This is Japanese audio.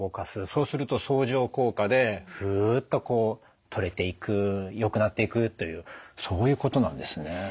そうすると相乗効果でフッとこう取れていくよくなっていくというそういうことなんですね。